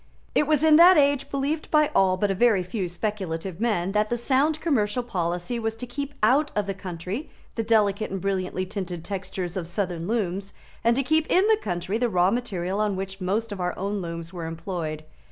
It was in that age believed by all but a very few speculative men that the sound commercial policy was to keep out of the country the delicate and brilliantly tinted textures of southern looms, and to keep in the country the raw material on which most of our own looms were employed.